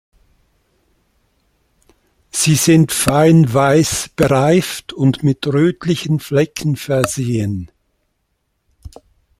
Sie sind fein weiß bereift und mit rötlichen Flecken versehen.